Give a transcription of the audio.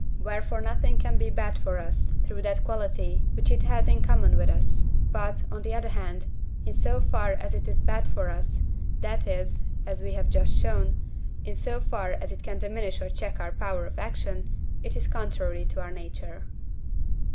Wherefore nothing can be bad for us through that quality which it has in common with us, but, on the other hand, in so far as it is bad for us, that is (as we have just shown), in so far as it can diminish or check our power of action, it is contrary to our nature.